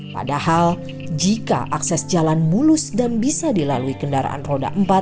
padahal jika akses jalan mulus dan bisa dilalui kendaraan roda empat